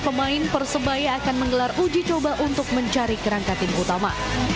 pemain persebaya akan menggelar uji coba untuk mencari kerangka tim utama